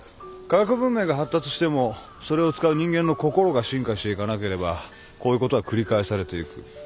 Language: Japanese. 科学文明が発達してもそれを使う人間の心が進化していかなければこういうことは繰り返されていく。